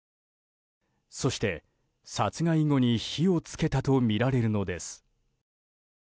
そして殺害後に火を付けたとみられるのです。